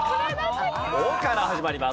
「オ」から始まります。